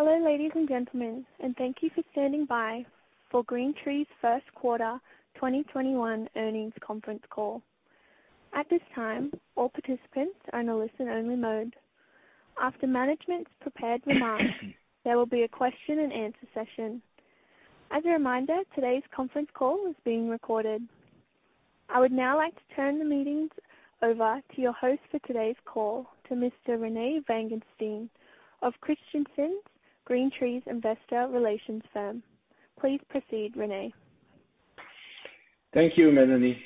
Hello, ladies and gentlemen, and thank you for standing by for GreenTree's first quarter 2021 earnings conference call. At this time, all participants are in a listen-only mode. After management's prepared remarks, there will be a question and answer session. As a reminder, today's conference call is being recorded. I would now like to turn the meeting over to your host for today's call, to Mr. Rene Vanguestaine of Christensen, GreenTree's investor relations firm. Please proceed, Rene. Thank you, Melanie.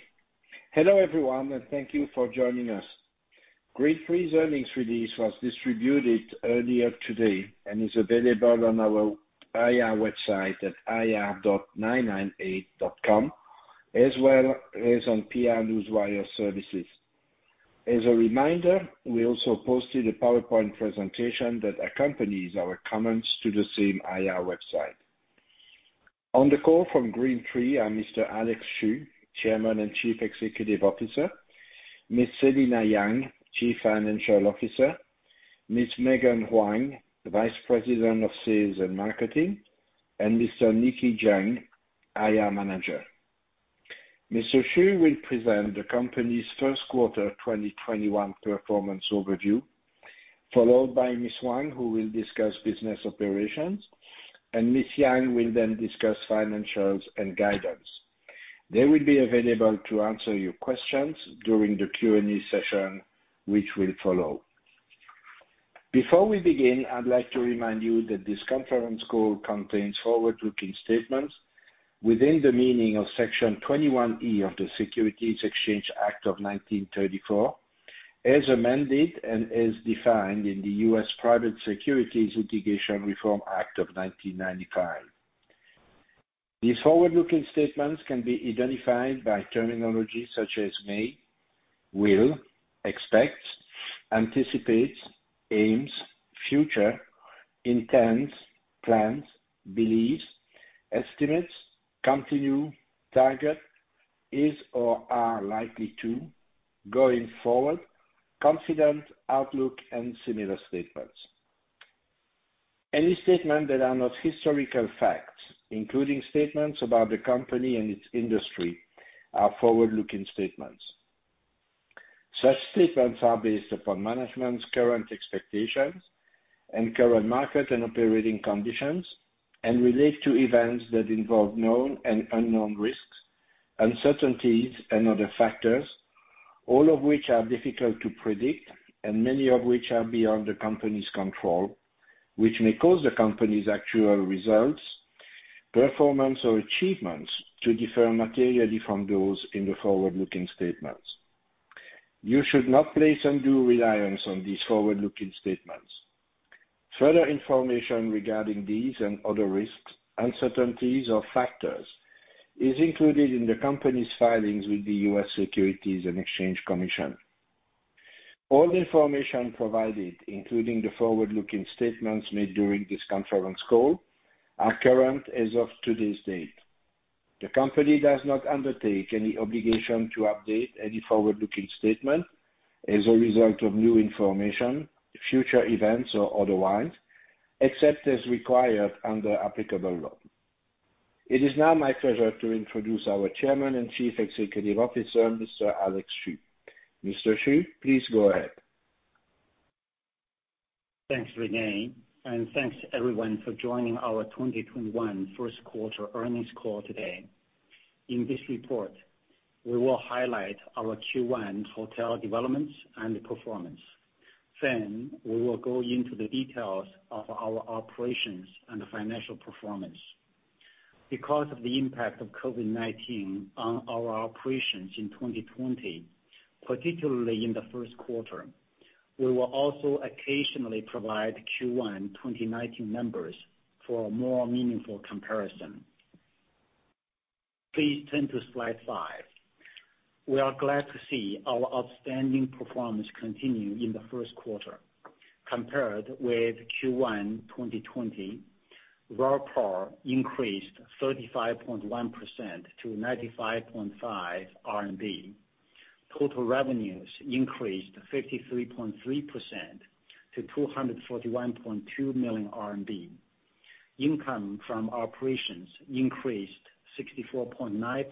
Hello, everyone, and thank you for joining us. GreenTree's earnings release was distributed earlier today and is available on our IR website at ir.998.com, as well as on PR Newswire Services. As a reminder, we also posted a PowerPoint presentation that accompanies our comments to the same IR website. On the call from GreenTree are Mr. Alex Xu, Chairman and Chief Executive Officer, Ms. Selina Yang, Chief Financial Officer, Ms. Megan Huang, the Vice President of Sales and Marketing, and Mr. Nicky Zheng, IR Manager. Mr. Xu will present the company's 1st quarter 2021 performance overview, followed by Ms. Huang, who will discuss business operations, and Ms. Yang will then discuss financials and guidance. They will be available to answer your questions during the Q&A session, which will follow. Before we begin, I'd like to remind you that this conference call contains forward-looking statements within the meaning of Section 21E of the Securities Exchange Act of 1934, as amended and as defined in the U.S. Private Securities Litigation Reform Act of 1995. These forward-looking statements can be identified by terminology such as may, will, expect, anticipate, aims, future, intends, plans, believes, estimates, continue, target, is or are likely to, going forward, confident, outlook, and similar statements. Any statement that are not historical facts, including statements about the company and its industry, are forward-looking statements. Such statements are based upon management's current expectations and current market and operating conditions and relate to events that involve known and unknown risks, uncertainties, and other factors, all of which are difficult to predict and many of which are beyond the company's control, which may cause the company's actual results, performance, or achievements to differ materially from those in the forward-looking statements. You should not place undue reliance on these forward-looking statements. Further information regarding these and other risks, uncertainties, or factors is included in the company's filings with the U.S. Securities and Exchange Commission. All information provided, including the forward-looking statements made during this conference call, are current as of today's date. The company does not undertake any obligation to update any forward-looking statement as a result of new information, future events, or otherwise, except as required under applicable law. It is now my pleasure to introduce our Chairman and Chief Executive Officer, Mr. Alex Xu. Mr. Xu, please go ahead. Thanks, Rene, and thanks everyone for joining our 2021 first quarter earnings call today. In this report, we will highlight our Q1 hotel developments and the performance. We will go into the details of our operations and financial performance. Because of the impact of COVID-19 on our operations in 2020, particularly in the first quarter, we will also occasionally provide Q1 2019 numbers for a more meaningful comparison. Please turn to slide five. We are glad to see our outstanding performance continue in the first quarter. Compared with Q1 2020, RevPAR increased 35.1% to 95.5 RMB. Total revenues increased 53.3% to 241.2 million RMB. Income from operations increased 64.9%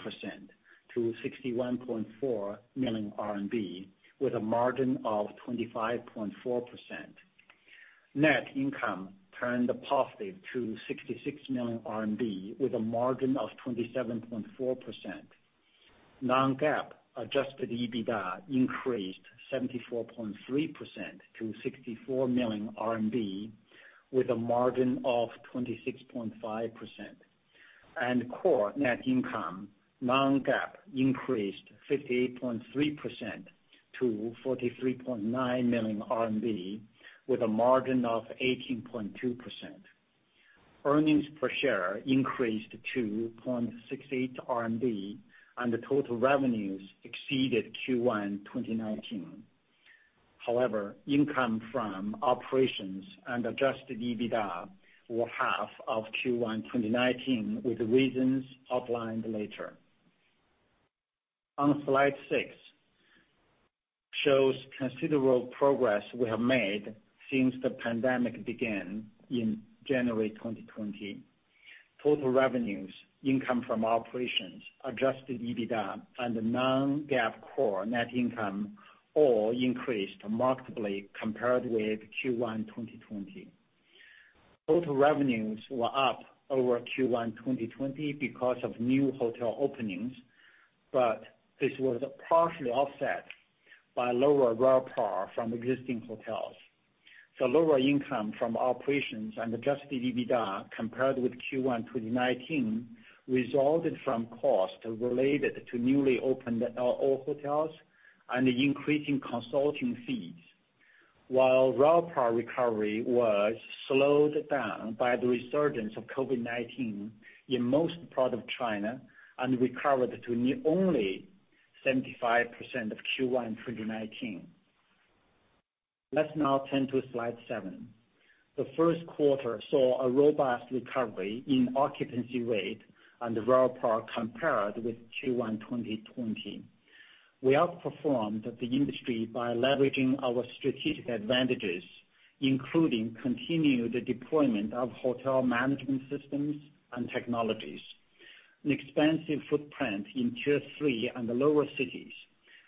to 61.4 million RMB, with a margin of 25.4%. Net income turned positive to RMB 66 million with a margin of 27.4%. Non-GAAP adjusted EBITDA increased 74.3% to 64 million RMB with a margin of 26.5%. Core net income, non-GAAP, increased 58.3% to 43.9 million RMB with a margin of 18.2%. Earnings per share increased to 0.68 RMB. The total revenues exceeded Q1 2019. Income from operations and adjusted EBITDA were half of Q1 2019 with the reasons outlined later. On slide six, shows considerable progress we have made since the pandemic began in January 2020. Total revenues, income from operations, adjusted EBITDA, and non-GAAP core net income all increased markedly compared with Q1 2020. Total revenues were up over Q1 2020 because of new hotel openings. This was partially offset by lower RevPAR from existing hotels. The lower income from operations and adjusted EBITDA compared with Q1 2019 resulted from costs related to newly opened LO hotels and increasing consulting fees. While RevPAR recovery was slowed down by the resurgence of COVID-19 in most part of China and recovered to only 75% of Q1 2019. Let's now turn to slide seven. The first quarter saw a robust recovery in occupancy rate and RevPAR compared with Q1 2020. We outperformed the industry by leveraging our strategic advantages, including continued deployment of hotel management systems and technologies, an expansive footprint in tier 3 and the lower cities,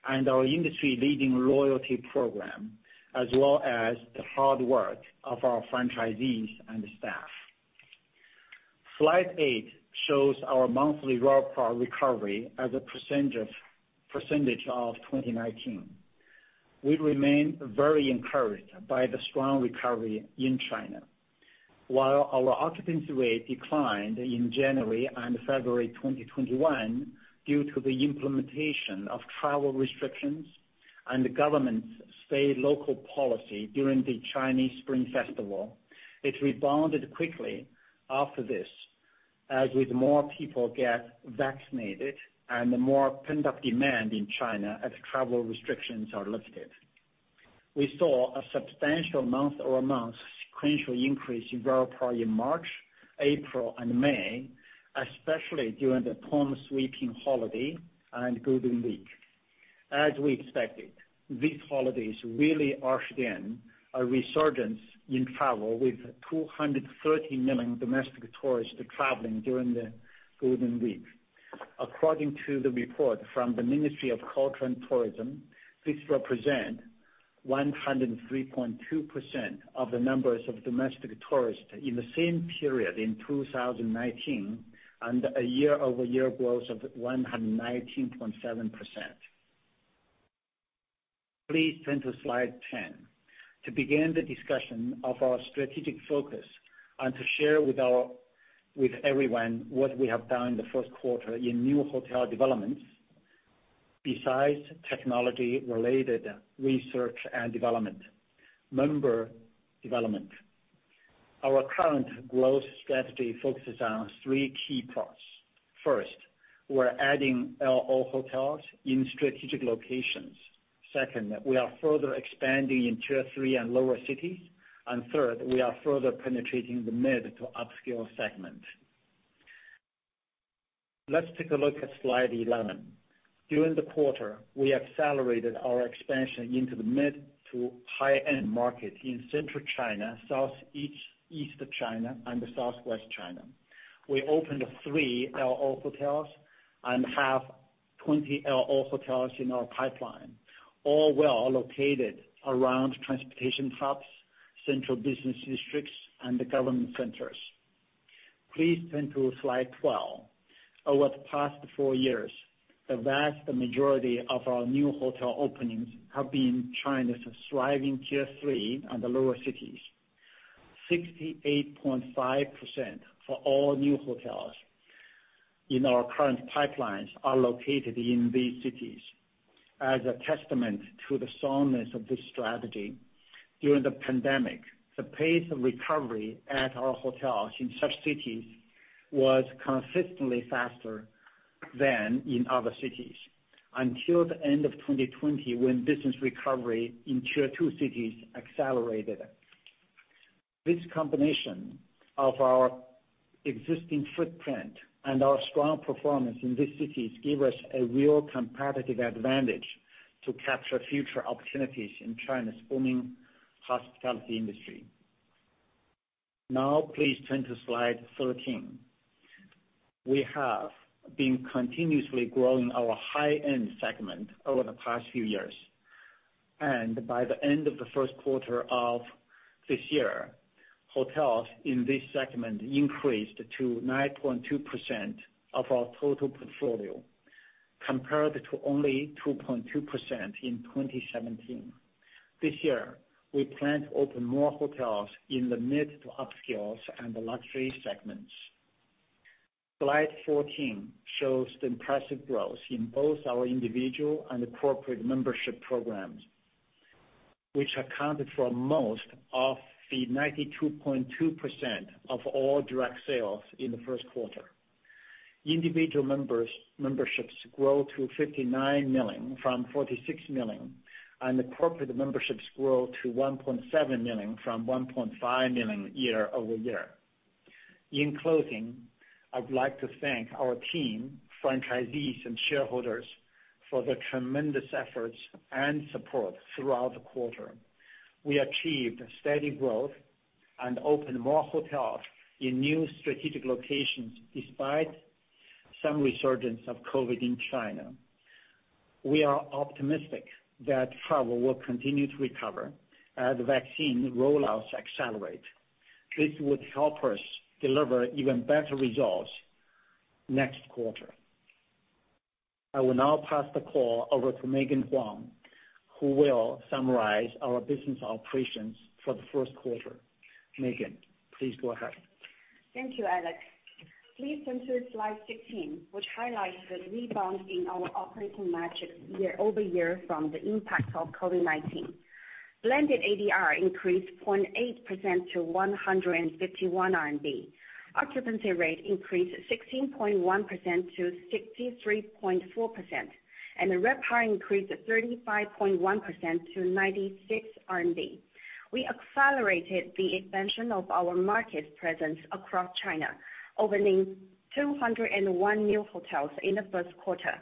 and our industry-leading loyalty program, as well as the hard work of our franchisees and staff. Slide eight shows our monthly RevPAR recovery as a percentage of 2019. We remain very encouraged by the strong recovery in China. While our occupancy rate declined in January and February 2021 due to the implementation of travel restrictions and the government's stay local policy during the Spring Festival, it rebounded quickly after this, as with more people get vaccinated and the more pent-up demand in China as travel restrictions are lifted. We saw a substantial month-over-month sequential increase in RevPAR in March, April, and May, especially during the Tomb-Sweeping Holiday and Golden Week. As we expected, these holidays really ushered in a resurgence in travel with 230 million domestic tourists traveling during the Golden Week. According to the report from the Ministry of Culture and Tourism, this represent 103.2% of the numbers of domestic tourists in the same period in 2019 and a year-over-year growth of 119.7%. Please turn to slide 10 to begin the discussion of our strategic focus and to share with everyone what we have done in the 1st quarter in new hotel developments. Besides technology-related research and development and member development, our current growth strategy focuses on three key parts. First, we are adding LO hotels in strategic locations. Second, we are further expanding in tier 3 and lower cities. Third, we are further penetrating the mid to upscale segment. Let's take a look at slide 11. During the quarter, we accelerated our expansion into the mid to high-end market in Central China, Southeast China, and Southwest China. We opened three LO hotels and have 20 LO hotels in our pipeline, all well-located around transportation hubs, central business districts, and the government centers. Please turn to slide 12. Over the past four years, the vast majority of our new hotel openings have been China's thriving tier 3 and the lower cities. 68.5% for all new hotels in our current pipelines are located in these cities. As a testament to the soundness of this strategy during the pandemic, the pace of recovery at our hotels in such cities was consistently faster than in other cities until the end of 2020, when business recovery in tier 2 cities accelerated. This combination of our existing footprint and our strong performance in these cities give us a real competitive advantage to capture future opportunities in China's booming hospitality industry. Now please turn to slide 13. We have been continuously growing our high-end segment over the past few years, and by the end of the first quarter of this year, hotels in this segment increased to 9.2% of our total portfolio, compared to only 2.2% in 2017. This year, we plan to open more hotels in the mid to upscales and the luxury segments. Slide 14 shows the impressive growth in both our individual and corporate membership programs, which accounted for most of the 92.2% of all direct sales in the first quarter. Individual memberships grow to 59 million from 46 million, and corporate memberships grow to 1.7 million from 1.5 million year-over-year. In closing, I would like to thank our team, franchisees, and shareholders for their tremendous efforts and support throughout the quarter. We achieved steady growth and opened more hotels in new strategic locations, despite some resurgence of COVID-19 in China. We are optimistic that travel will continue to recover as vaccine rollouts accelerate. This would help us deliver even better results next quarter. I will now pass the call over to Megan Huang, who will summarize our business operations for the first quarter. Megan, please go ahead. Thank you, Alex. Please turn to slide 16, which highlights the rebound in our operating metrics year-over-year from the impact of COVID-19. Blended ADR increased 0.8% to 151 RMB. Occupancy rate increased 16.1% to 63.4%. The RevPAR increased 35.1% to 96 RMB. We accelerated the expansion of our market presence across China, opening 201 new hotels in the first quarter.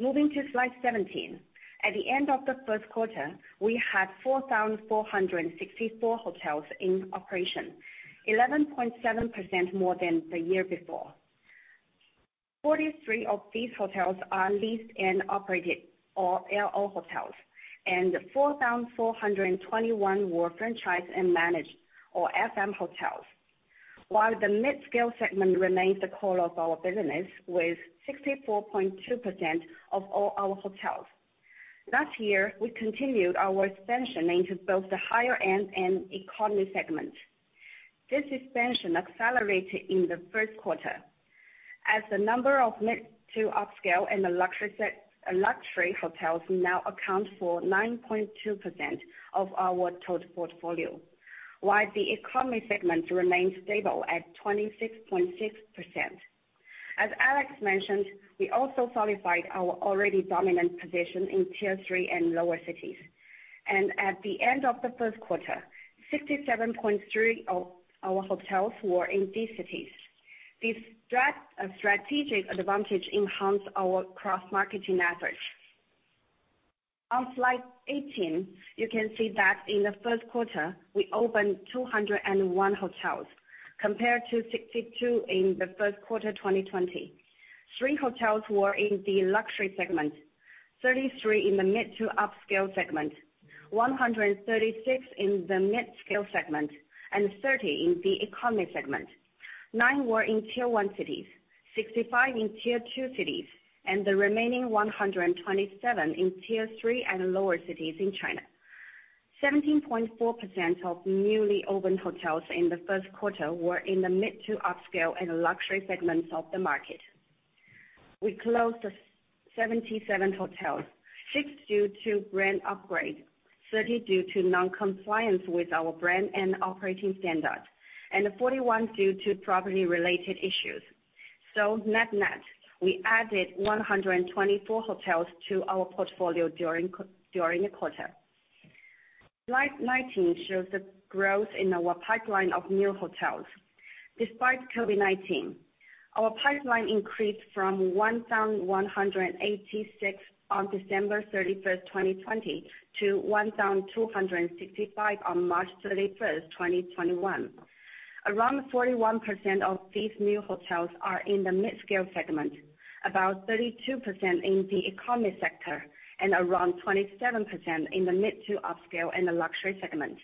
Moving to slide 17. At the end of the first quarter, we had 4,464 hotels in operation, 11.7% more than the year before. 43 of these hotels are leased and operated, or LO hotels, and 4,421 were franchise and managed, or FM hotels. While the mid-scale segment remains the core of our business with 64.2% of all our hotels. Last year, we continued our expansion into both the higher end and economy segment. This expansion accelerated in the first quarter as the number of mid to upscale and luxury hotels now account for 9.2% of our total portfolio, while the economy segment remains stable at 26.6%. As Alex mentioned, we also solidified our already dominant position in tier 3 and lower cities. At the end of the first quarter, 67.3% of our hotels were in these cities. This strategic advantage enhanced our cross marketing efforts. On slide 18, you can see that in the first quarter, we opened 201 hotels compared to 62 in the first quarter 2020. Three hotels were in the luxury segment, 33 in the mid to upscale segment, 136 in the mid-scale segment, and 30 in the economy segment. Nine were in tier 1 cities, 65 in tier 2 cities, and the remaining 127 in tier 3 and lower cities in China. 17.4% of newly opened hotels in the first quarter were in the mid to upscale and luxury segments of the market. We closed 77 hotels, six due to brand upgrade, 30 due to non-compliance with our brand and operating standards, and 41 due to property related issues. Net-net, we added 124 hotels to our portfolio during the quarter. Slide 19 shows the growth in our pipeline of new hotels. Despite COVID-19, our pipeline increased from 1,186 on December 31, 2020, to 1,265 on March 31, 2021. Around 41% of these new hotels are in the mid-scale segment, about 32% in the economy sector, and around 27% in the mid to upscale and the luxury segment.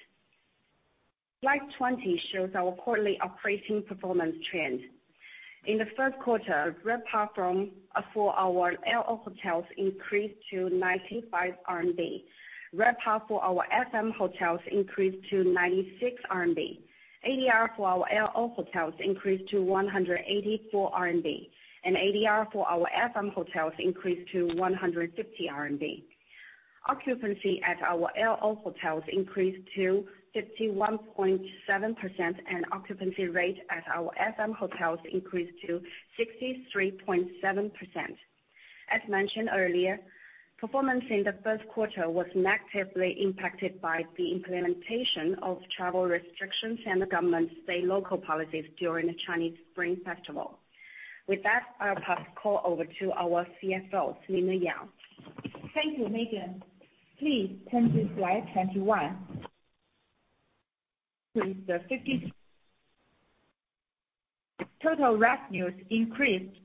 Slide 20 shows our quarterly operating performance trend. In the first quarter, RevPAR for our LO hotels increased to 95 RMB. RevPAR for our FM hotels increased to 96 RMB. ADR for our LO hotels increased to 184 RMB, and ADR for our FM hotels increased to 150 RMB. Occupancy at our LO hotels increased to 51.7%, and occupancy rate at our FM hotels increased to 63.7%. As mentioned earlier, performance in the first quarter was negatively impacted by the implementation of travel restrictions and the government's stay local policies during the Chinese Spring Festival. With that, I'll pass the call over to our CFO, Selina Yang. Thank you, Megan. Please turn to slide 21. Total revenues increased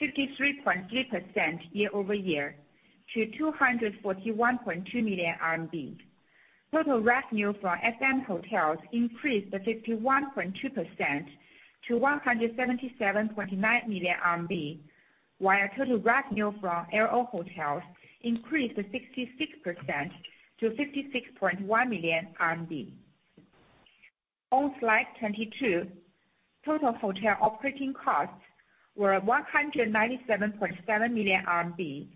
53.3% year-over-year to RMB 241.2 million. Total revenue for FM hotels increased to 51.2% to 177.9 million RMB, while total revenue from LO hotels increased to 66% to 56.1 million. On slide 22, total hotel operating costs were 197.7 million RMB,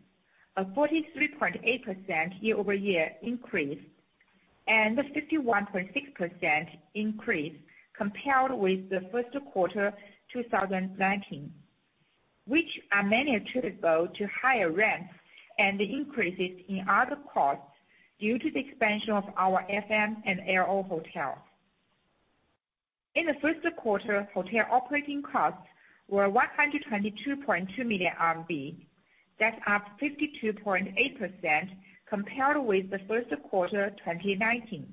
a 43.8% year-over-year increase, and a 51.6% increase compared with the first quarter 2019. Which are mainly attributable to higher rents and the increases in other costs due to the expansion of our FM and L&O hotels. In the first quarter, hotel operating costs were 122.2 million RMB. That's up 52.8% compared with the first quarter 2019.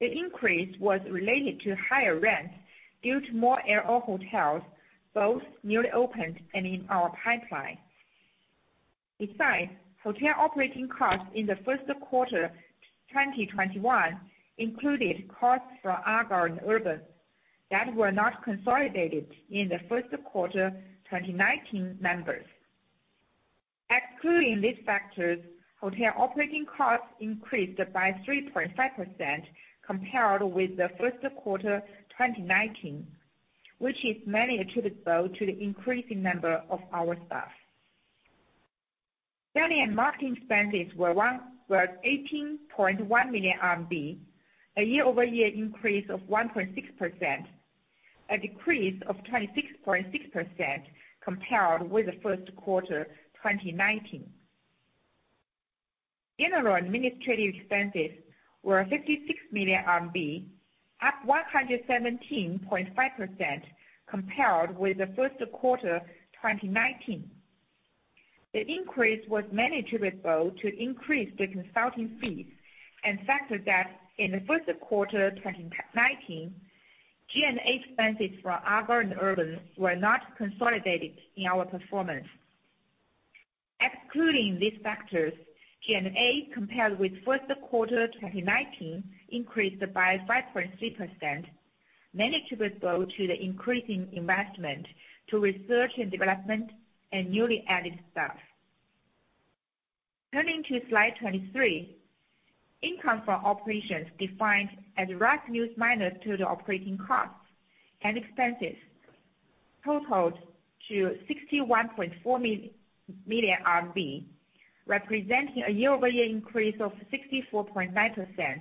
The increase was related to higher rents due to more LO hotels, both newly opened and in our pipeline. Besides, hotel operating costs in the first quarter 2021 included costs from Argyle and Urban that were not consolidated in the first quarter 2019 numbers. Excluding these factors, hotel operating costs increased by 3.5% compared with the first quarter 2019, which is mainly attributable to the increasing number of our staff. Selling and marketing expenses were 18.1 million RMB, a year-over-year increase of 1.6%, a decrease of 26.6% compared with the first quarter 2019. General administrative expenses were 56 million RMB, up 117.5% compared with the first quarter 2019. The increase was mainly attributable to increased consulting fees and the fact that in the first quarter of 2019, G&A expenses from Argyle and Urban were not consolidated in our performance. Excluding these factors, G&A compared with first quarter 2019 increased by 5.3%, mainly attributable to the increasing investment to research and development and newly added staff. Turning to slide 23. Income from operations defined as revenues minus to the operating costs and expenses totaled to 61.4 million RMB, representing a year-over-year increase of 64.9%.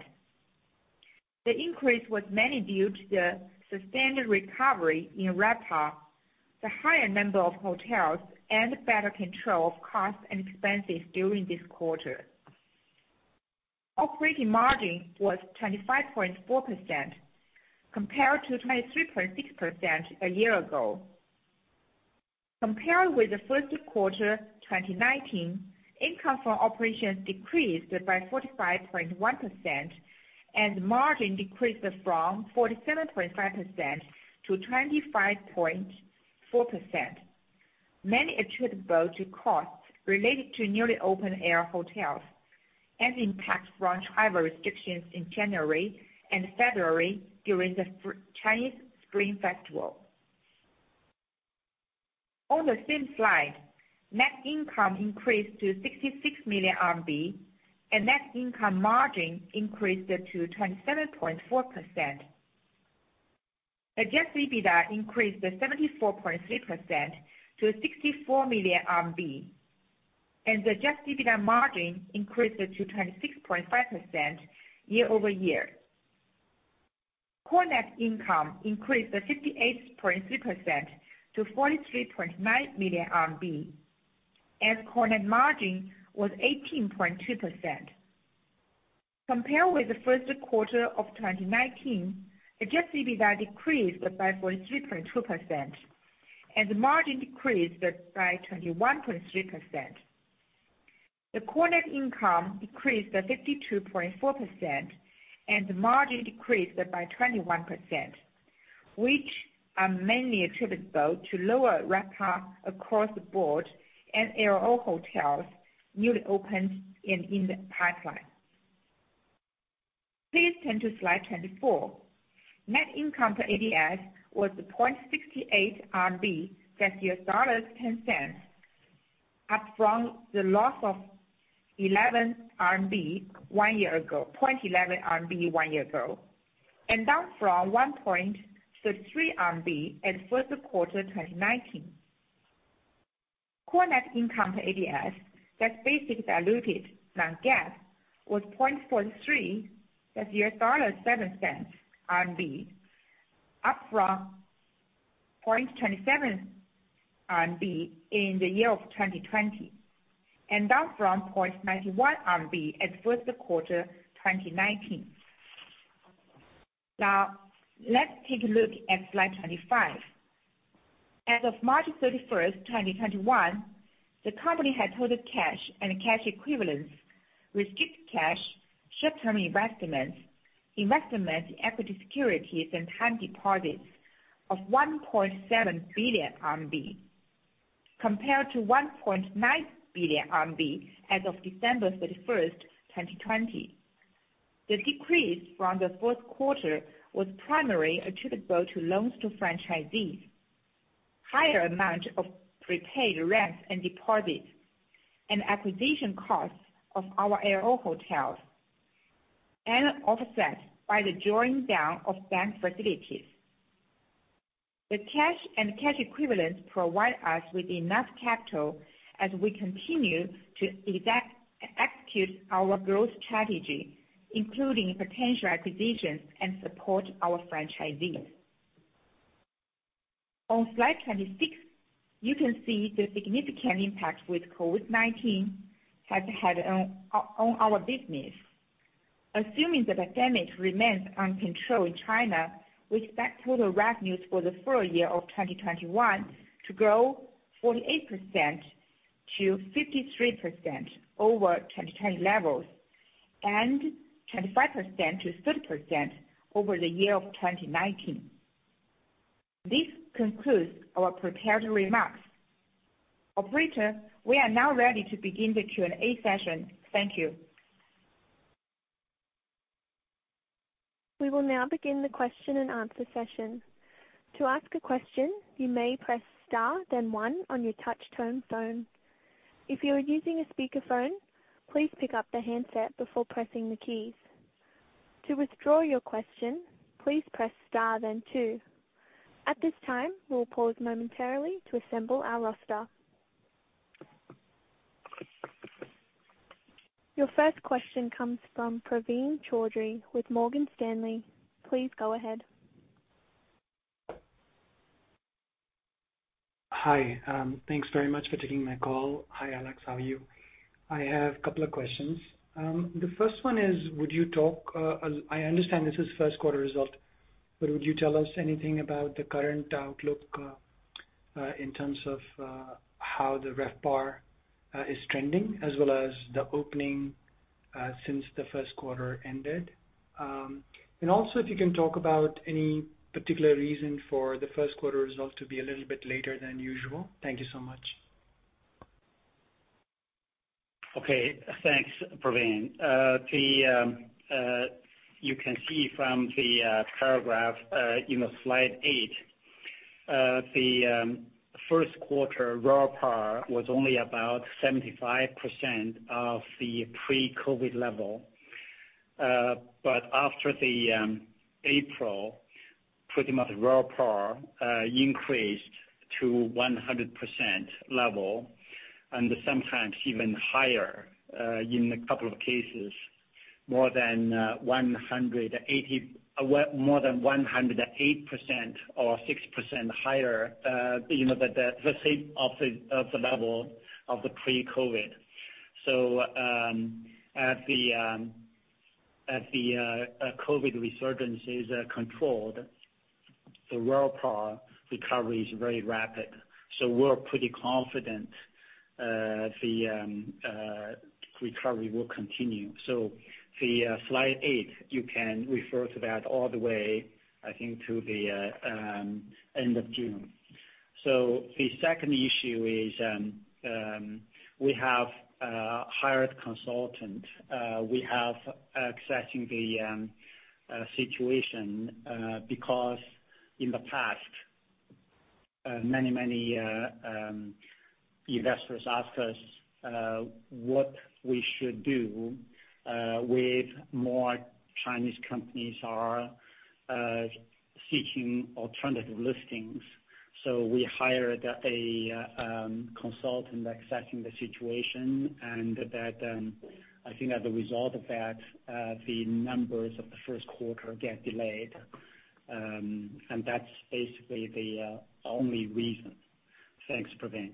The increase was mainly due to the sustained recovery in RevPAR, the higher number of hotels, and better control of costs and expenses during this quarter. Operating margin was 25.4% compared to 23.6% a year ago. Compared with the first quarter 2019, income from operations decreased by 45.1% and margin decreased from 47.5%-25.4%, mainly attributable to costs related to newly open LO hotels and the impact from travel restrictions in January and February during the Spring Festival. On the same slide, net income increased to 66 million RMB, and net income margin increased to 27.4%. Adjusted EBITDA increased 74.3% to 64 million RMB, and the Adjusted EBITDA margin increased to 26.5% year-over-year. Core net income increased 58.3% to 43.9 million RMB, and core net margin was 18.2%. Compared with the first quarter of 2019, Adjusted EBITDA decreased by 43.2% and the margin decreased by 21.3%. The core net income decreased 52.4%, and the margin decreased by 21%, which are mainly attributable to lower RevPAR across the board and LO hotels newly opened and in the pipeline. Please turn to slide 24. Net income per ADS was RMB 0.68, that's $0.10, up from the loss of RMB 0.11 one year ago, and down from 1.33 RMB at first quarter 2019. Core net income per ADS, that's basic diluted non-GAAP, was RMB 0.43, that's $0.07, up from RMB 0.27 in the year of 2020 and down from 0.91 RMB at first quarter 2019. Let's take a look at slide 25. As of March 31st, 2021, the company had total cash and cash equivalents, restricted cash, short-term investments in equity securities, and time deposits of 1.7 billion RMB compared to 1.9 billion RMB as of December 31st, 2020. The decrease from the fourth quarter was primarily attributable to loans to franchisees, higher amount of prepaid rents and deposits, and acquisition costs of our L&O hotels, offset by the drawing down of bank facilities. The cash and cash equivalents provide us with enough capital as we continue to execute our growth strategy. Including potential acquisitions and support our franchisees. On slide 26, you can see the significant impact with COVID-19 has had on our business. Assuming the pandemic remains under control in China, we expect total revenues for the full year of 2021 to grow 48%-53% over 2020 levels, and 25%-30% over the year of 2019. This concludes our prepared remarks. Operator, we are now ready to begin the Q&A session. Thank you. We will now begin the question and answer session, to ask a question you may press star then one on your touch-tone phone. If you are using a speaker phone, please pick up the handset before pressing the keys. To withdraw your questions please press star then two. At this time we will pause momentarily to assemble our roster. Your first question comes from Praveen Choudhary with Morgan Stanley. Please go ahead. Hi. Thanks very much for taking my call. Hi, Alex. How are you? I have a couple of questions. The first one is, I understand this is first quarter result, would you tell us anything about the current outlook in terms of how the RevPAR is trending as well as the opening since the first quarter ended? Also, if you can talk about any particular reason for the first quarter results to be a little bit later than usual? Thank you so much. Okay. Thanks, Praveen. You can see from the paragraph in slide eight, the first quarter RevPAR was only about 75% of the pre-COVID level. After the April, pretty much RevPAR increased to 100% level and sometimes even higher, in a couple of cases, more than 108% or 6% higher. The same of the level of the pre-COVID. As the COVID resurgence is controlled, the RevPAR recovery is very rapid. We're pretty confident the recovery will continue. The slide eight, you can refer to that all the way, I think, to the end of June. The second issue is, we have hired consultant. We have assessing the situation, because in the past, many investors ask us what we should do with more Chinese companies are seeking alternative listings. We hired a consultant assessing the situation, and I think as a result of that, the numbers of the 1st quarter get delayed. That's basically the only reason. Thanks, Praveen.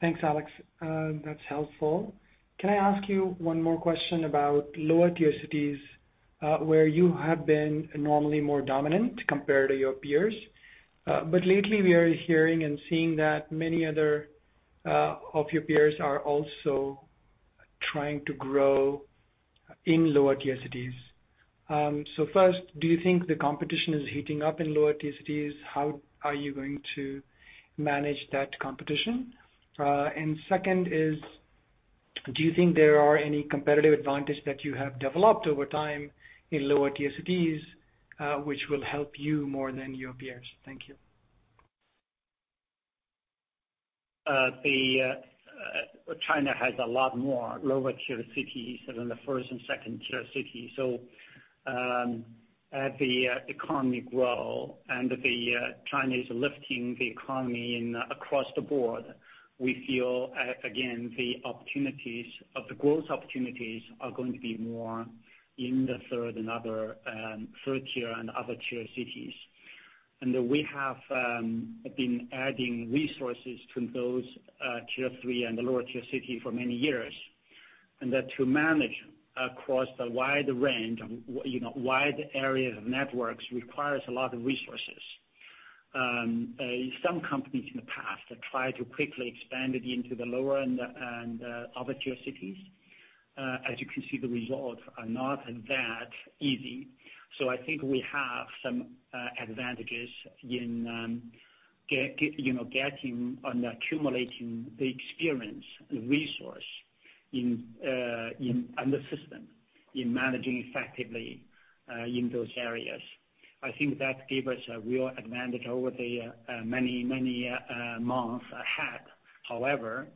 Thanks, Alex. That's helpful. Can I ask you one more question about lower tier cities, where you have been normally more dominant compared to your peers. Lately we are hearing and seeing that many other of your peers are also trying to grow in lower tier cities. First, do you think the competition is heating up in lower tier cities? How are you going to manage that competition? Second is, do you think there are any competitive advantage that you have developed over time in lower tier cities, which will help you more than your peers? Thank you. China has a lot more lower tier cities than the 1st and 2nd tier cities. As the economy grow and the Chinese lifting the economy across the board, we feel, again, the growth opportunities are going to be more in the 3rd tier and other tier cities. We have been adding resources to those tier 3 and the lower tier city for many years. That to manage across the wide range of wide area of networks requires a lot of resources. Some companies in the past have tried to quickly expand it into the lower and other tier cities. As you can see, the results are not that easy. I think we have some advantages in getting and accumulating the experience, the resource and the system in managing effectively in those areas. I think that gave us a real advantage over the many months ahead. However,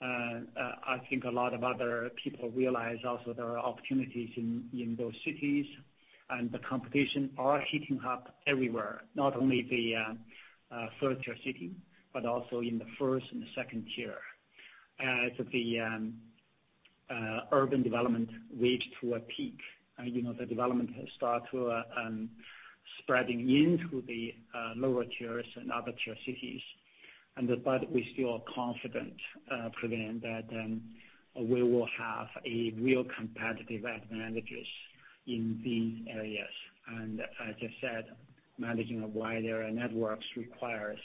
I think a lot of other people realize also there are opportunities in those cities. The competition are heating up everywhere, not only the 3rd tier city, but also in the 1st and 2nd tier. As the urban development reached to a peak, the development has started spreading into the lower tiers and other tier cities. We still are confident, Praveen, that we will have a real competitive advantages in these areas. As I said, managing a wider networks requires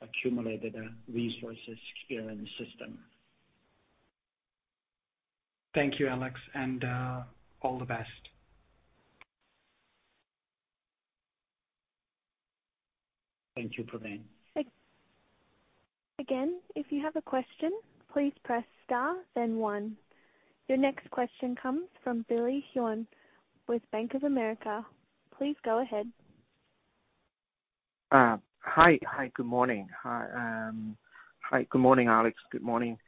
accumulated resources, skill, and system. Thank you, Alex, and all the best. Thank you, Praveen. Again, if you have a question, please press star then one. Your next question comes from Billy Ng with Bank of America. Please go ahead. Hi, good morning. Hi, good morning, Alex. Good morning,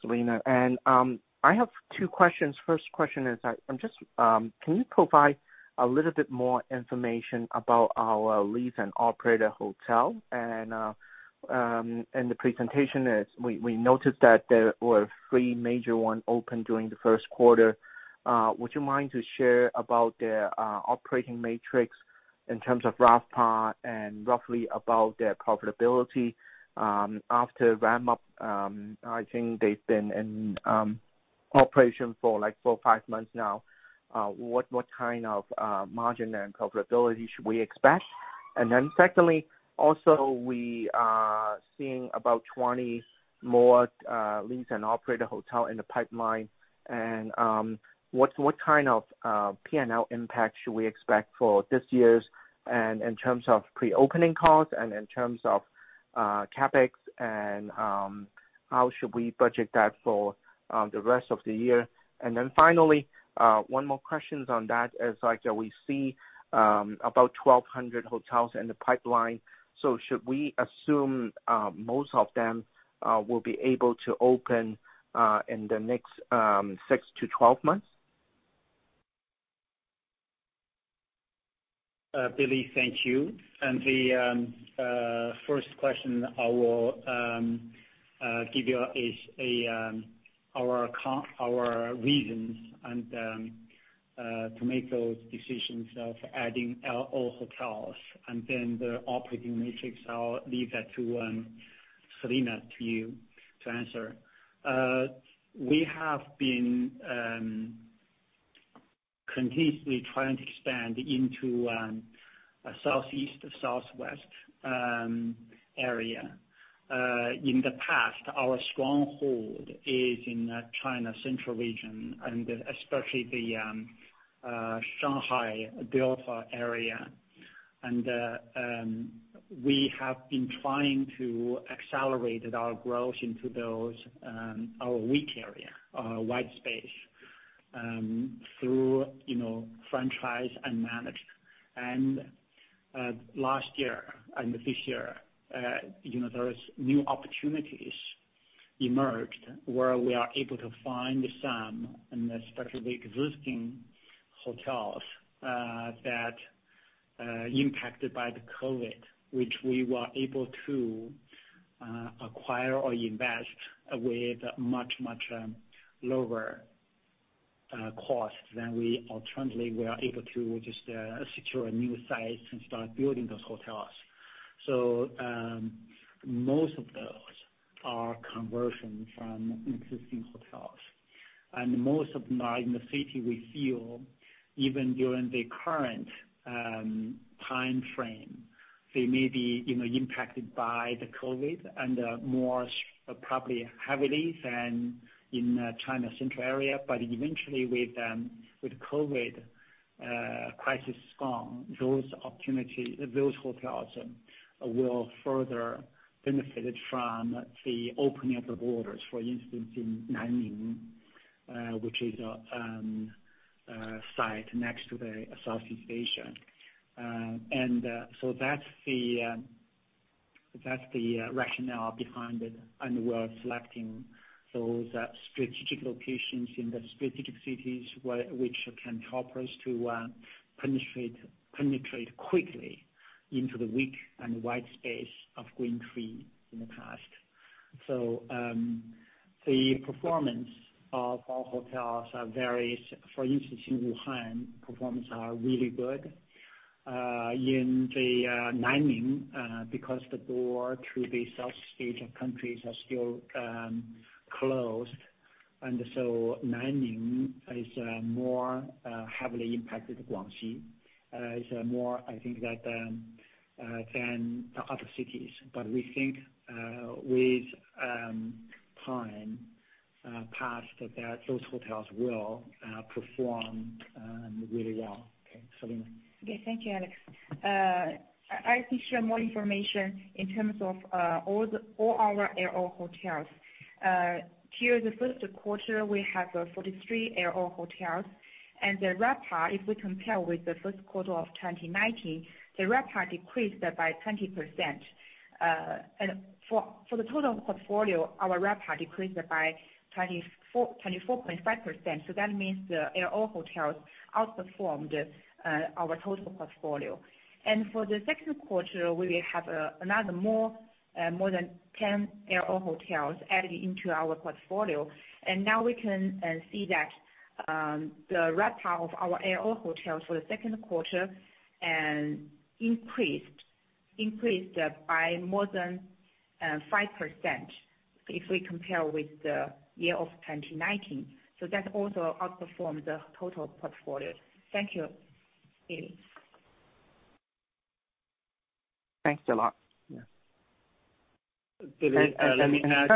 Selina. I have two questions. First question is, can you provide a little bit more information about our lease and operator hotel? In the presentation, we noticed that there were three major ones open during the first quarter. Would you mind to share about their operating matrix in terms of RevPAR and roughly about their profitability? After ramp up, I think they've been in operation for four, five months now. What kind of margin and profitability should we expect? Secondly, also, we are seeing about 20 more lease and operator hotel in the pipeline. What kind of P&L impact should we expect for this year and in terms of pre-opening costs and in terms of CapEx, and how should we budget that for the rest of the year? Finally, one more question on that is, we see about 1,200 hotels in the pipeline. Should we assume most of them will be able to open in the next 6-12 months? Billy, thank you. The first question I will give you is our reasons to make those decisions of adding LO hotels. The operating matrix, I'll leave that to Selina, to you to answer. We have been continuously trying to expand into Southeast, Southwest area. In the past, our stronghold is in China central region, and especially the Shanghai, Bohai area. We have been trying to accelerate our growth into our weak area, our white space, through franchise and manage. Last year and this year, there is new opportunities emerged where we are able to find some, and especially the existing hotels, that impacted by the COVID, which we were able to acquire or invest with much lower costs than we alternately were able to just secure a new site and start building those hotels. Most of those are conversion from existing hotels. Most of them are in the city we feel, even during the current timeframe, they may be impacted by the COVID-19 and more probably heavily than in China central area. Eventually, with COVID-19 crisis gone, those hotels will further benefit from the opening of the borders. For instance, in Nanning, which is a site next to the Southeast Asia. That's the rationale behind it. We're selecting those strategic locations in the strategic cities which can help us to penetrate quickly into the weak and white space of GreenTree in the past. The performance of our hotels varies. For instance, in Wuhan, performance are really good. In Nanning, because the door to the South Asian countries are still closed. Nanning is more heavily impacted, Guangxi, is more, I think than the other cities. We think, with time passed that those hotels will perform really well. Okay, Selina. Yes. Thank you, Alex. I can share more information in terms of all our LO hotels. Here, the first quarter, we have 43 LO hotels. The RevPAR, if we compare with the first quarter of 2019, the RevPAR decreased by 20%. For the total portfolio, our RevPAR decreased by 24.5%. That means the LO hotels outperformed our total portfolio. For the second quarter, we will have more than 10 LO hotels added into our portfolio. Now we can see that the RevPAR of our LO hotels for the second quarter increased by more than 5% if we compare with the year of 2019. That also outperformed the total portfolio. Thank you. Thanks a lot. Yeah. Billy, let me add.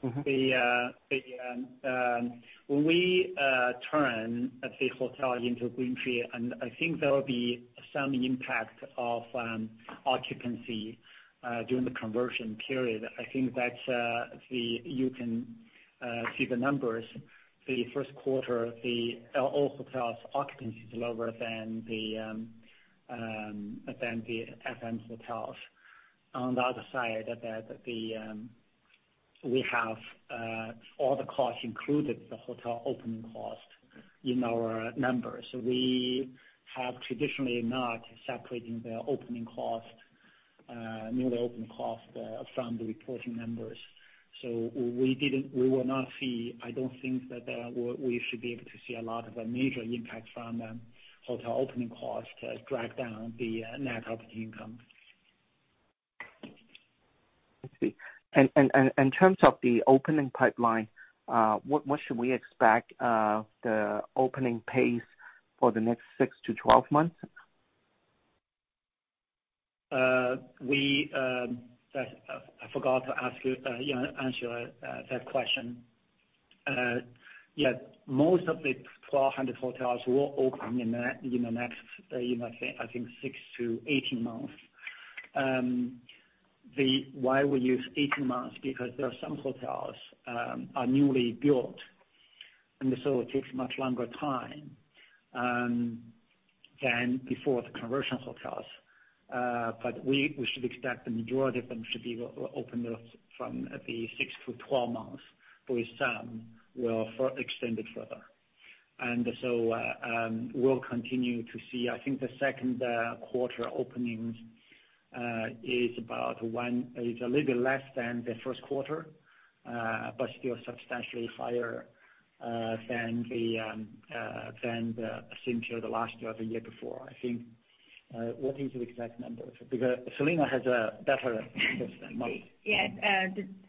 When we turn a big hotel into GreenTree, I think there will be some impact of occupancy during the conversion period. I think that you can see the numbers. The first quarter, all hotels occupancy is lower than the FM hotels. On the other side, we have all the costs included, the hotel opening cost, in our numbers. We have traditionally not separating the opening cost, new opening cost, from the reporting numbers. We will not see, I don't think that we should be able to see a lot of a major impact from hotel opening cost to drag down the net operating income. I see. In terms of the opening pipeline, what should we expect the opening pace for the next 6-12 months? I forgot to answer that question. Most of the 1,200 hotels will open in the next, I think 6-18 months. Why we use 18 months, because there are some hotels are newly built, it takes much longer time than before the conversion hotels. We should expect the majority of them should be opened from the 6-12 months. Some will extend it further. We'll continue to see. I think the second quarter openings is a little less than the first quarter, but still substantially higher than the same period last year or the year before. I think what is the exact number? Selina has a better understanding. Yes.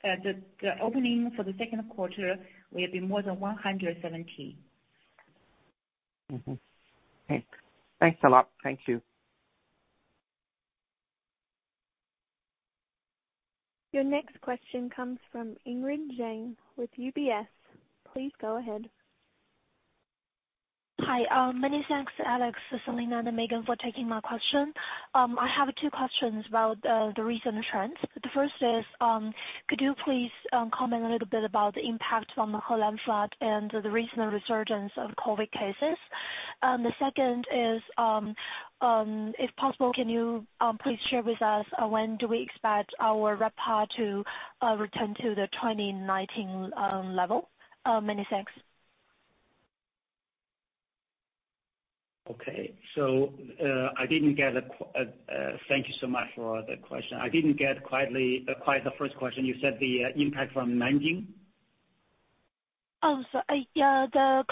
The opening for the second quarter will be more than 117. Thanks a lot. Thank you. Your next question comes from Ingrid Zhang with UBS. Please go ahead. Hi. Many thanks, Alex, Selina, and Megan, for taking my question. I have two questions about the recent trends. The first is, could you please comment a little bit about the impact from the Henan flood and the recent resurgence of COVID-19 cases? The second is, if possible, can you please share with us when do we expect our RevPAR to return to the 2019 level? Many thanks. Okay. Thank you so much for the question. I didn't get quite the first question. You said the impact from Nanjing? Oh, sorry. Yeah, the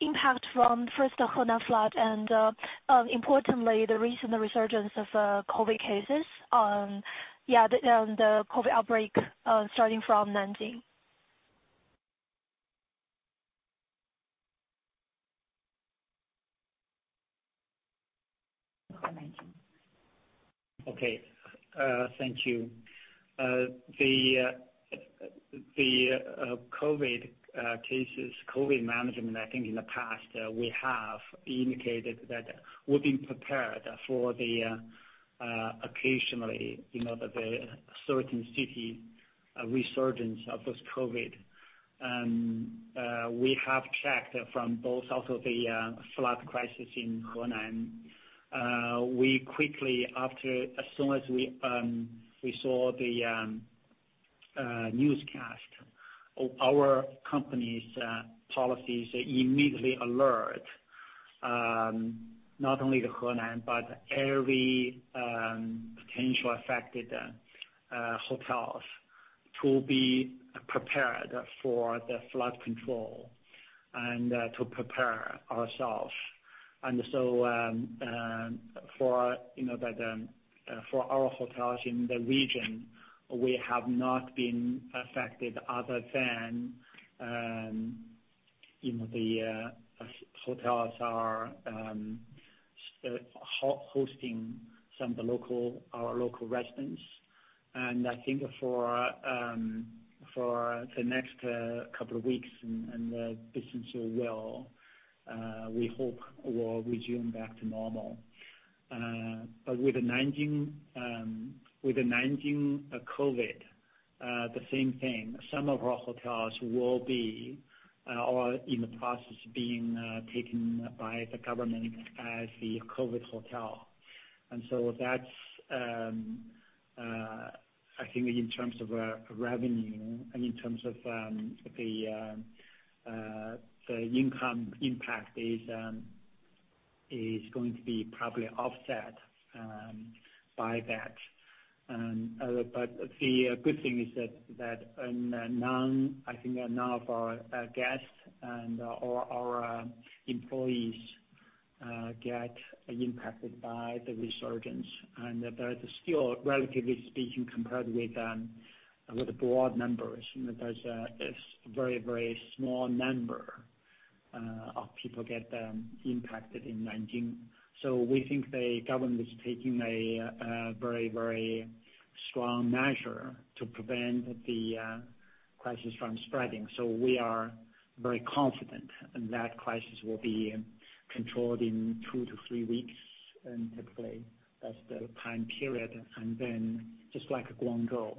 impact from, first, the Henan flood and, importantly, the recent resurgence of COVID cases. Yeah, the COVID outbreak starting from Nanjing? Okay. Thank you. The COVID cases, COVID management, I think in the past, we have indicated that we've been prepared for the occasionally, that a certain city resurgence of this COVID. We have checked from both out of the flood crisis in Henan. We quickly, as soon as we saw the newscast, our company's policies immediately alert, not only the Henan but every potential affected hotels to be prepared for the flood control and to prepare ourselves. For our hotels in the region, we have not been affected other than the hotels are hosting some of our local residents. I think for the next couple of weeks, and the business as well, we hope will resume back to normal. With the Nanjing COVID, the same thing. Some of our hotels will be, or are in the process of being taken by the government as the COVID-19 hotel. That's, I think in terms of revenue and in terms of the income impact is going to be probably offset by that. The good thing is that none of our guests and/or our employees get impacted by the resurgence. There is still, relatively speaking, compared with the broad numbers, there's a very small number of people get impacted in Nanjing. We think the government is taking a very strong measure to prevent the crisis from spreading. We are very confident that crisis will be controlled in two-three weeks, and typically, that's the time period. Just like Guangzhou,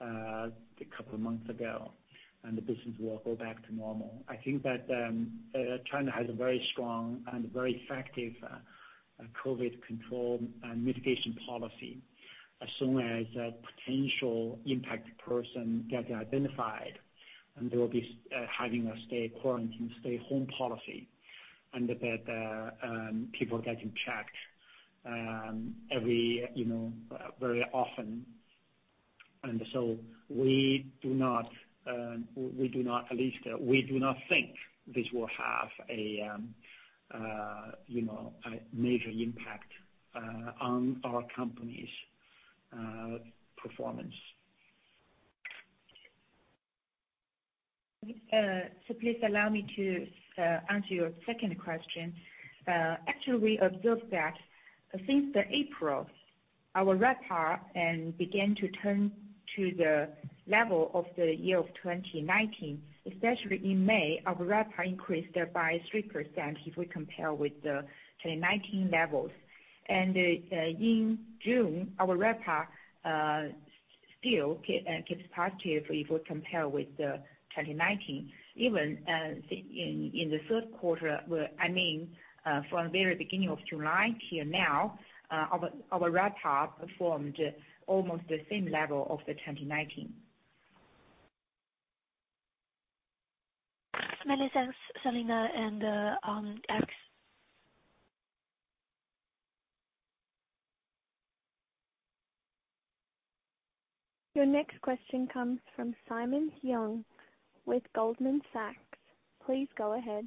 a couple of months ago, the business will go back to normal. I think that China has a very strong and very effective COVID-19 control and mitigation policy. As soon as a potential impacted person gets identified, they will be having a stay quarantine, stay home policy, people are getting checked very often. We do not think this will have a major impact on our company's performance. Please allow me to answer your second question. Actually, we observed that since the April, our RevPAR began to turn to the level of the year of 2019, especially in May, our RevPAR increased by 3% if we compare with the 2019 levels. In June, our RevPAR still keeps positive if we compare with 2019. Even in the third quarter, from the very beginning of July till now, our RevPAR performed almost the same level of the 2019. Many thanks, Selina and Alex. Your next question comes from Simon Cheung with Goldman Sachs. Please go ahead.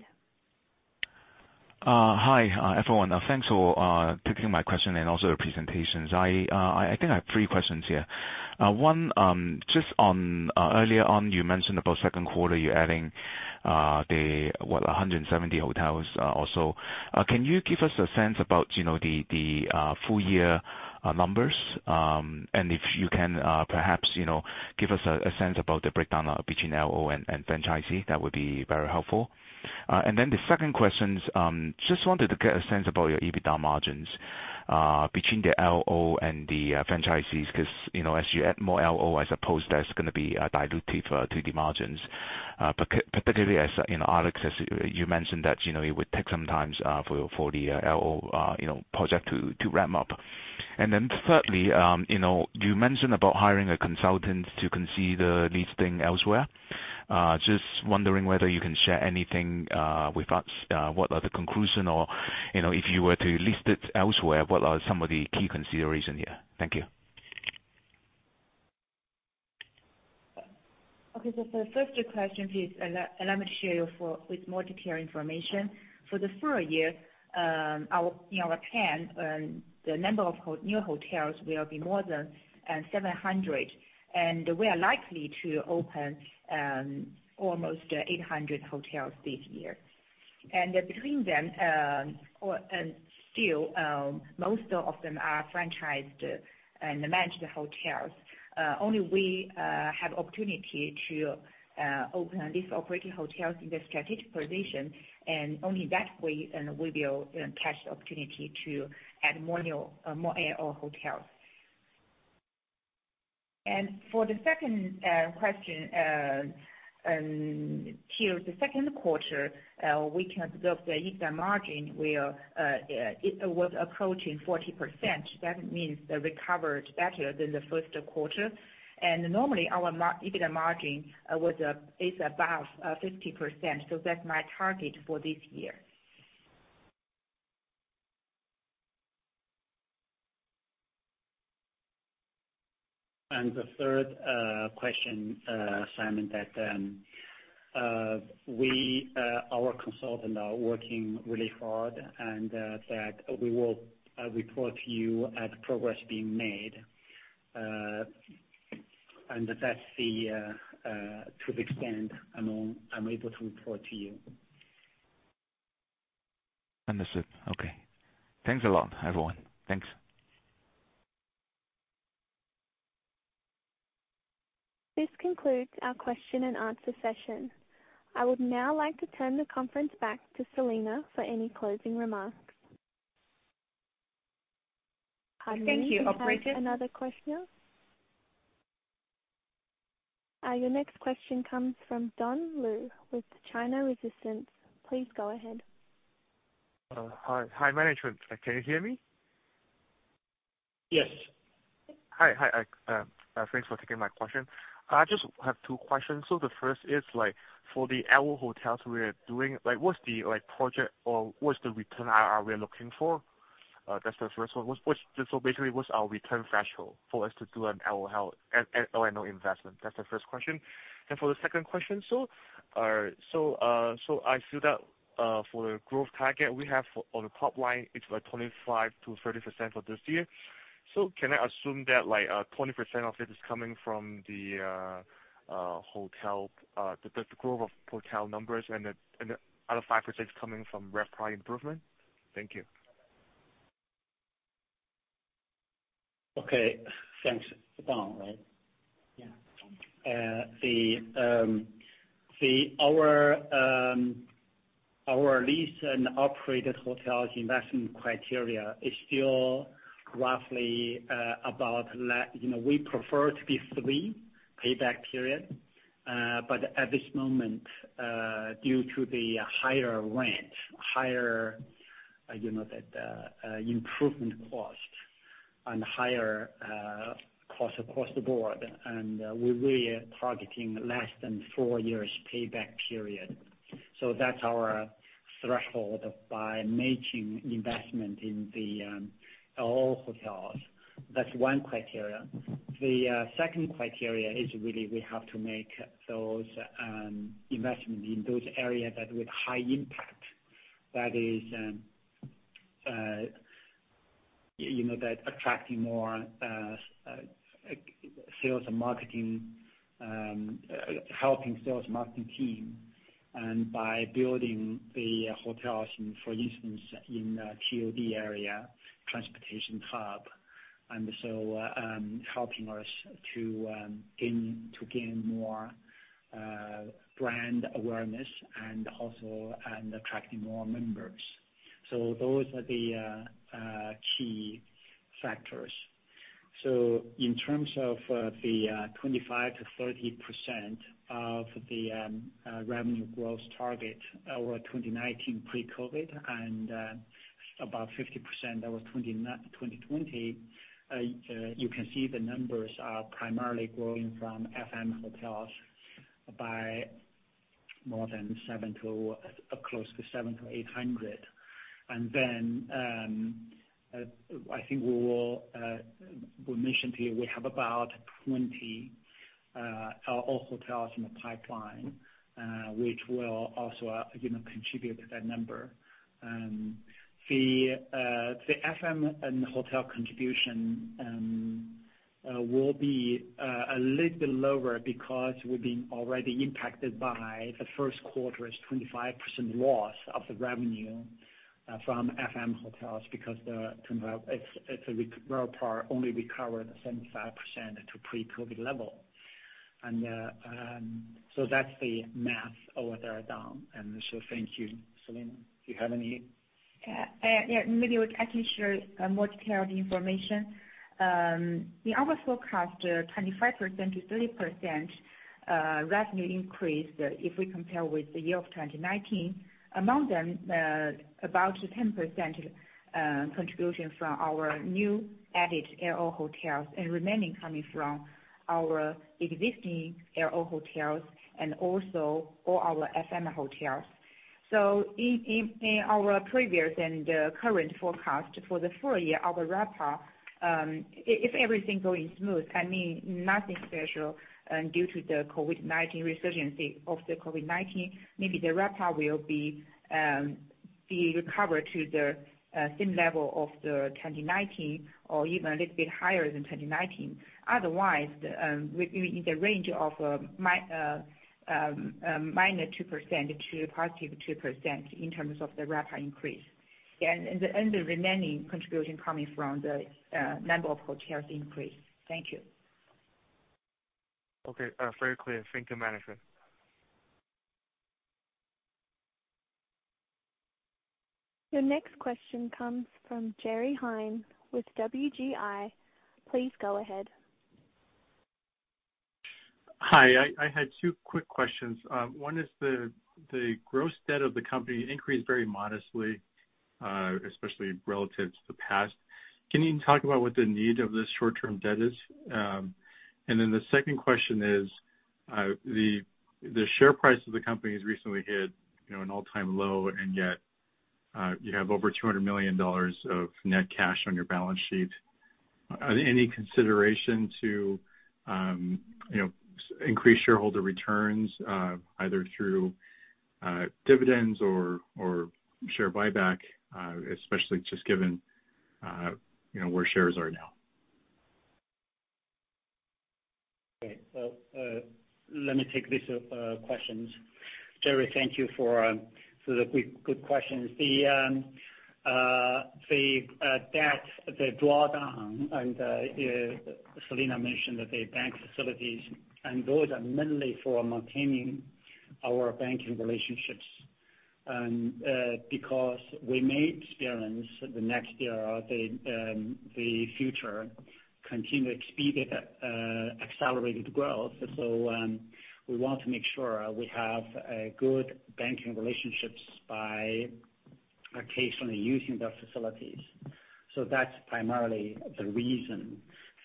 Hi, everyone. Thanks for taking my question and also the presentations. I think I have three questions here. One, just on earlier on, you mentioned about second quarter, you're adding the what, 170 hotels or so. Can you give us a sense about the full year numbers? If you can perhaps give us a sense about the breakdown between LO and franchisee, that would be very helpful. The second question, just wanted to get a sense about your EBITDA margins between the LO and the franchisees, because as you add more LO, I suppose that's going to be dilutive to the margins, particularly as Alex, as you mentioned that it would take some time for the LO project to ramp up. Thirdly, you mentioned about hiring a consultant to consider listing elsewhere. Just wondering whether you can share anything with us, what are the conclusion or, if you were to list it elsewhere, what are some of the key considerations here? Thank you. Okay. For the first question, please allow me to share with more detailed information. For the full year, in our plan, the number of new hotels will be more than 700, and we are likely to open almost 800 hotels this year. Between them, still, most of them are franchised and managed hotels. Only we have opportunity to open and lease operating hotels in the strategic position, and only that way we will catch the opportunity to add more L&O hotels. For the second question, till the second quarter, we can observe the EBITDA margin was approaching 40%. That means they recovered better than the first quarter. Normally our EBITDA margin is above 50%, so that's my target for this year. The third question, Simon, that our consultant are working really hard, and that we will report to you as progress being made. That's to the extent I'm able to report to you. Understood. Okay. Thanks a lot, everyone. Thanks. This concludes our question and answer session. I would now like to turn the conference back to Selina for any closing remarks. Thank you, Operator. Pardon me. Do we have another question? Your next question comes from Don Lau with China Renaissance. Please go ahead. Hi, management, can you hear me? Yes. Hi. Thanks for taking my question. I just have two questions. The first is for the LO hotels we're doing, what's the return we are looking for? That's the first one. Basically, what's our return threshold for us to do an L&O investment? That's the first question. For the second question, I feel that for the growth target we have on the top line, it's like 25%-30% for this year. Can I assume that 20% of it is coming from the growth of hotel numbers and the other 5% is coming from RevPAR improvement? Thank you. Okay. Thanks. Don, right? Yeah. Our leased and operated hotels investment criteria is still roughly about. We prefer to be three payback period. At this moment, due to the higher rent, higher improvement cost, and higher cost across the board, we're really targeting less than four years payback period. That's our threshold by making investment in all hotels. That's one criteria. The second criteria is really we have to make those investments in those areas that with high impact. That is attracting more sales and marketing, helping sales marketing team, and by building the hotels, for instance, in TOD area, transportation hub, helping us to gain more brand awareness and attracting more members. Those are the key factors. In terms of the 25%-30% of the revenue growth target over 2019 pre-COVID, and about 50% over 2020, you can see the numbers are primarily growing from FM hotels by more than close to 700-800. I think we mentioned here, we have about 20 all hotels in the pipeline, which will also contribute to that number. The FM and hotel contribution will be a little bit lower because we've been already impacted by the first quarter's 25% loss of the revenue from FM hotels because its RevPAR only recovered 75% to pre-COVID level. That's the math over there, Don. Thank you. Selina, do you have any? Maybe I can share more detailed information. In our forecast, 25%-30% revenue increase, if we compare with the year of 2019. Among them, about 10% contribution from our new added LO hotels and remaining coming from our existing LO hotels and also all our FM hotels. In our previous and current forecast for the full year, our RevPAR, if everything going smooth, I mean, nothing special due to the resurgence of the COVID-19, maybe the RevPAR will be recovered to the same level of the 2019 or even a little bit higher than 2019. Otherwise, in the range of -2% to +2% in terms of the RevPAR increase. The remaining contribution coming from the number of hotels increase. Thank you. Okay. Very clear. Thank you, management. Your next question comes from Jerry Hein with WGI. Please go ahead. Hi. I had two quick questions. One is the gross debt of the company increased very modestly, especially relative to the past. Can you talk about what the need of this short-term debt is? The second question is, the share price of the company has recently hit an all-time low, and yet you have over $200 million of net cash on your balance sheet. Any consideration to increase shareholder returns, either through dividends or share buyback, especially just given where shares are now? Okay. Let me take these questions. Jerry, thank you for the good questions. The debt, the drawdown. Selina mentioned that the bank facilities, those are mainly for maintaining our banking relationships. Because we may experience the next year or the future continued accelerated growth. We want to make sure we have good banking relationships by occasionally using those facilities. That's primarily the reason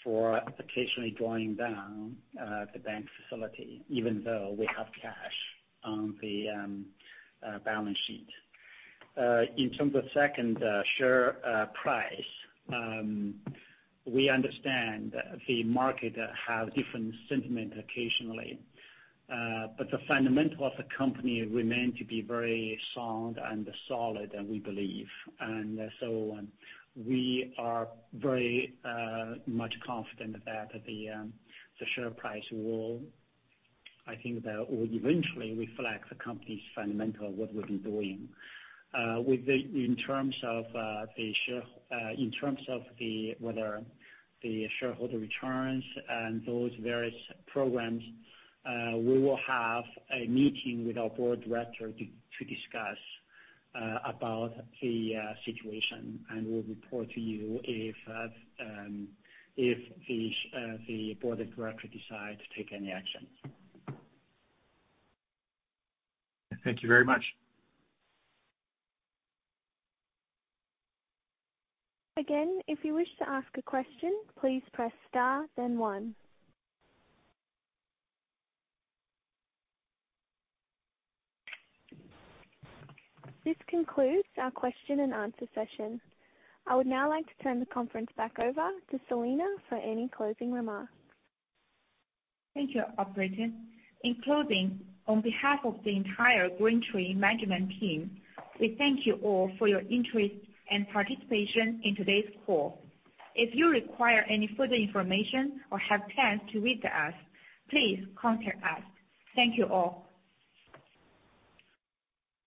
for occasionally drawing down the bank facility, even though we have cash on the balance sheet. In terms of second, share price. We understand the market have different sentiment occasionally, the fundamental of the company remain to be very sound and solid, we believe. We are very much confident that the share price will eventually reflect the company's fundamental, what we've been doing. In terms of whether the shareholder returns and those various programs, we will have a meeting with our Board Director to discuss about the situation, and we'll report to you if the Board of Directors decide to take any action. Thank you very much. Again if you wish to ask a question please press star then one. This concludes our question and answer session. I would now like to turn the conference back over to Selina for any closing remarks. Thank you, operator. In closing, on behalf of the entire GreenTree management team, we thank you all for your interest and participation in today's call. If you require any further information or have plans to read to us, please contact us. Thank you all.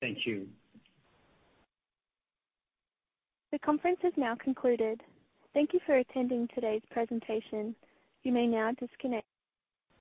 Thank you. The conference has now concluded. Thank you for attending today's presentation. You may now disconnect.